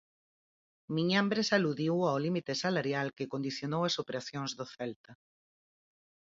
Miñambres aludiu ao limite salarial que condicionou as operacións do Celta.